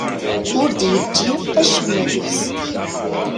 Ur d-yeǧǧi acemma deg-s.